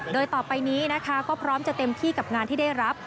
โดยต่อไปนี้นะคะก็พร้อมจะเต็มที่กับงานที่ได้รับ